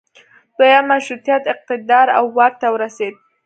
دویم مشروطیت اقتدار او واک ته ورسید.